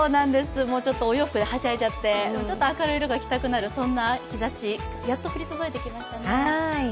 ちょっとお洋服ではしゃいじゃって、明るい服が着たくなるそんな日ざし、やっと降り注いできましたね。